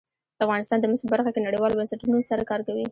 افغانستان د مس په برخه کې نړیوالو بنسټونو سره کار کوي.